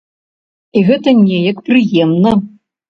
І гэта неяк прыемна.